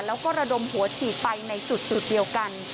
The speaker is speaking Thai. แล้วก็ระดมหัวฉีดไปในจุดเดียวกัน